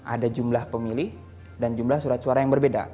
ada jumlah pemilih dan jumlah surat suara yang berbeda